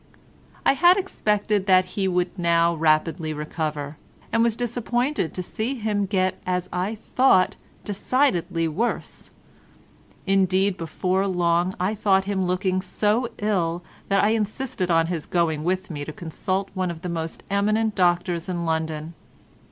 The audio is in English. I had expected that he would now rapidly recover, and was disappointed to see him get as I thought decidedly worse. Indeed, before long I thought him looking so ill that I insisted on his going with me to consult one of the most eminent doctors in London.